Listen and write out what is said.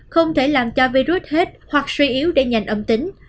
không thể làm cho virus hết hoặc suy yếu để nhanh âm tính